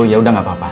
yaudah enggak apa apa